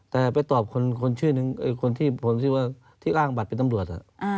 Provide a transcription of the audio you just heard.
แต่ไปตอบคนที่อ้างบัตรเป็นตำรวจ